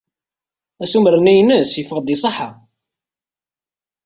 Asumer-nni-ines yeffeɣ-d iṣeḥḥa.